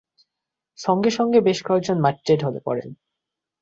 সঙ্গে সঙ্গে বেশ কয়েকজন মাটিতে ঢলে পড়েন।